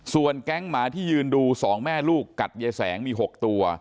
ส่วนแก๊งหมาที่ยืนดู๒แม่ลูกกัดยายแสงมี๖ตัว